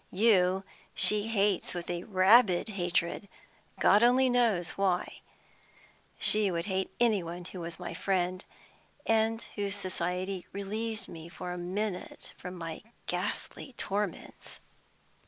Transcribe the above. You she hates with a rabid hatred God only knows why. She would hate any one who was my friend, and whose society relieved me for a moment from my ghastly torments!"